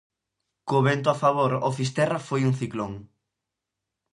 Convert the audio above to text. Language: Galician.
Co vento a favor o Fisterra foi un Ciclón.